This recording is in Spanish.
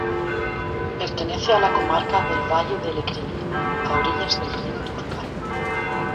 Pertenece a la comarca del Valle de Lecrín, a orillas del río Dúrcal.